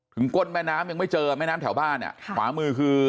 ถึงก้นแม่น้ำยังไม่เจอแม่น้ำแถวบ้านเนี่ย